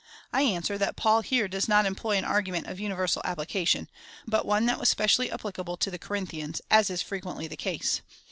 I answer, that Paul here does not employ an argument of universal application, but one that was specially applicable to the Corinthians, as is frequently the case.